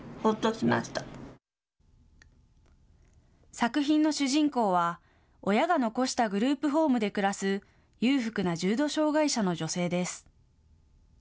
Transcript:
作品の主人公は親が残したグループホームで暮らす裕福な重度障害者の女性です。